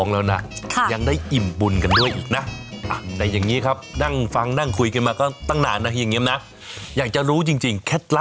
เรียกว่าทำบุญเยอะ